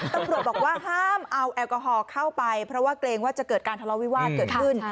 ตำรวจบอกว่าห้ามเอาแอลกอฮอล์เข้าไปเพราะว่าเกรงว่าจะเกิดการทะเลาวิวาสเกิดขึ้น